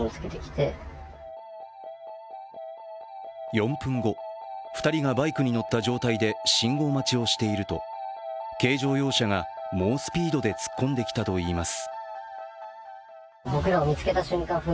４分後、２人がバイクに乗った状態で信号待ちをしていると軽乗用車が猛スピードで突っ込んできたといいます。